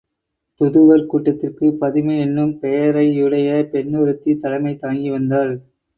துதுவர் கூட்டத்திற்குப் பதுமை என்னும் பெயரையுடைய பெண் ஒருத்தி தலைமை தாங்கி வந்திருந்தாள்.